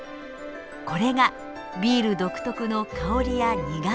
これがビール独特の香りや苦みのもと。